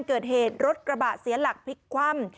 เกิดเหตุรถกระบะเสียหลักพลิกคว่ำ